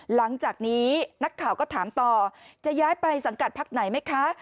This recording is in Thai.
หลังจากนี้นักข่าวก็ถามต่อจะย้ายไปสังกัดพักไหนไหมคะ